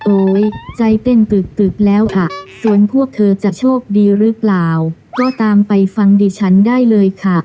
ใจเต้นตึกตึกแล้วอ่ะส่วนพวกเธอจะโชคดีหรือเปล่าก็ตามไปฟังดิฉันได้เลยค่ะ